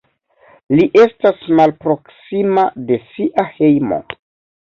Li estas malproksima de sia hejmo.